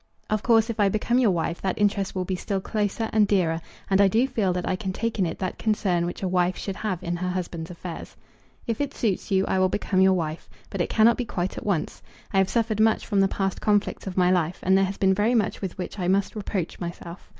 Of course, if I become your wife that interest will be still closer and dearer, and I do feel that I can take in it that concern which a wife should have in her husband's affairs. If it suits you, I will become your wife; but it cannot be quite at once. I have suffered much from the past conflicts of my life, and there has been very much with which I must reproach myself.